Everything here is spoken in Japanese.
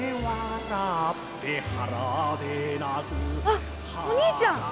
あっお兄ちゃん。